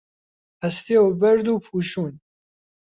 ئەستێ و بەرد و پووشوون